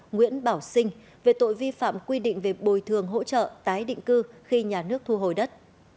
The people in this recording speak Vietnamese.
nguyễn bảo sinh về tội vi phạm quy định về bồi thường hỗ trợ tái định cư khi nhà nước thu hồi đất